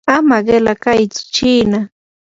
ama qila kaytsu chiina.